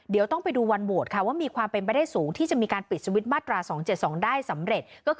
เดี๋ยวต้องไปดูวันโหวตค่ะว่ามีความเป็นไปได้สูงที่จะมีการปิดสวิตช์มาตรา๒๗๒ได้สำเร็จก็คือ